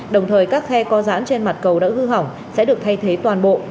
đồng thời các khe co giãn trên mặt cầu đã hư hỏng sẽ được thay thế toàn bộ